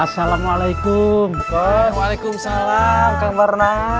waalaikumsalam kang barnas